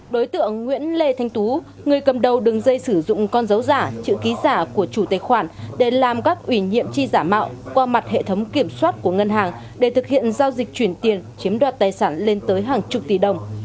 đối tượng nguyễn lê thanh tú người cầm đầu đường dây sử dụng con dấu giả chữ ký giả của chủ tài khoản để làm các ủy nhiệm chi giả mạo qua mặt hệ thống kiểm soát của ngân hàng để thực hiện giao dịch chuyển tiền chiếm đoạt tài sản lên tới hàng chục tỷ đồng